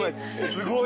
すごい。